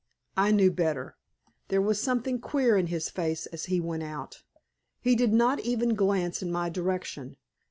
I knew better. There was something queer in his face as he went out. He did not even glance in my direction.